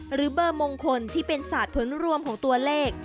หรือเบอร์มงคลที่เป็นศาสตร์ผลรวมของตัวเลข